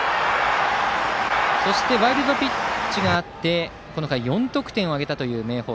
そしてワイルドピッチがあってこの回、４得点を挙げた明豊。